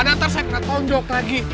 ada ntar saya kena tonjok lagi